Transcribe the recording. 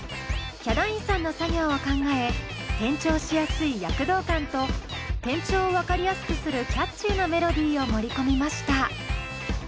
ヒャダインさんの作業を考え転調しやすい躍動感と転調を分かりやすくするキャッチーなメロディーを盛り込みました。